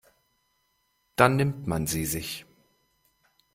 Dann nimmt man sie sich.